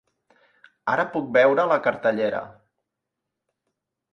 Ara puc veure la cartellera.